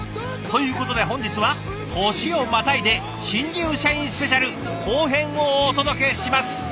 ということで本日は年をまたいで「新入社員スペシャル」後編をお届けします。